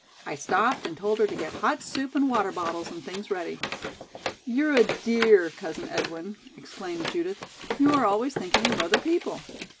I stopped and told her to get hot soup and water bottles and things ready." "You're a dear, Cousin Edwin," exclaimed Judith. "You are always thinking of other people."